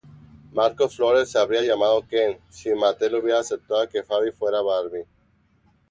Marcos Flores se habría llamado Ken si Mattel hubiera aceptado que Faby fuera Barbie.